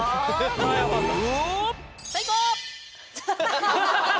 最高！